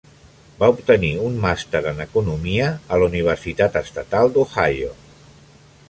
Va obtenir un màster en Economia a la Universitat Estatal d'Ohio.